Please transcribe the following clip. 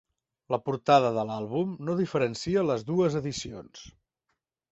La portada de l'àlbum no diferencia les dues edicions.